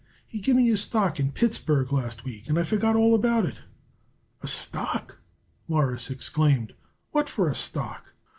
"He give me a stock in Pittsburg last week, and I forgot all about it." "A stock!" Morris exclaimed. "What for a stock?"